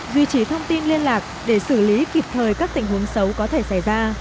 duy trì thông tin liên lạc để xử lý kịp thời các tình huống xấu có thể xảy ra